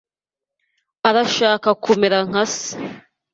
arashaka kumera nka se.